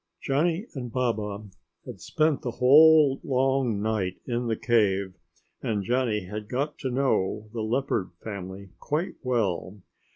Johnny and Baba had spent the whole long night in the cave and Johnny had got to know the leopard family quite well.